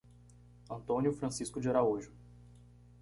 Antônio Francisco de Araújo